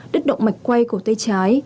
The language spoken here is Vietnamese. đứt động mạch quay cổ tay trái